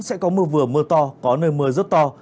sẽ có mưa vừa mưa to có nơi mưa rất to